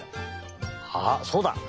あっそうだ。